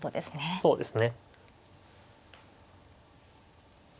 そうですね。